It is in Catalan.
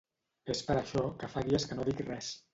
És per això que fa dies que no dic res.